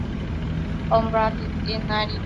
倪三最终也与追捕他的朝廷捕头同归于尽。